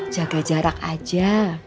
jaga jarak aja